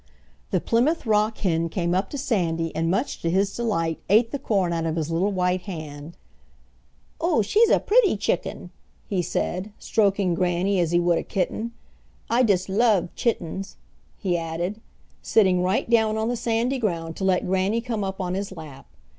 The Plymouth Rock hen came up to Sandy, and much to his delight ate the corn out of his little white hand. "Oh, she's a pretty chicken!" he said, stroking Granny as he would a kitten. "I dust love chitens," he added, sitting right down on the sandy ground to let Granny come up on his lap.